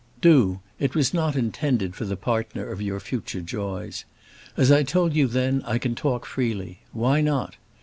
"Do. It was not intended for the partner of your future joys. As I told you then, I can talk freely. Why not?